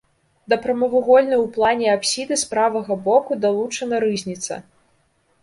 Да прамавугольнай у плане апсіды з правага боку далучана рызніца.